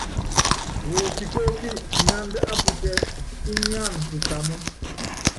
Wuosikóókí iŋánda á putɛ́ sínyáana pusamɔ́.